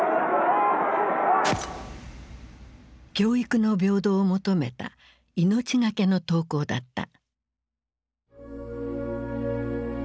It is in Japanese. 教育の平等を求めた命懸けの登校だった。